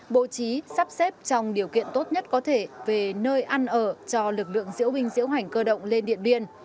bố trí sắp xếp trong điều kiện tốt nhất có thể về nơi ăn ở cho lực lượng diễu binh diễu hành cơ động lên điện biên